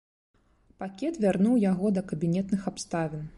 Пакет вярнуў яго да кабінетных абставін.